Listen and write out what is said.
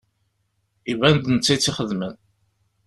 Iban d netta i tt-ixedmen.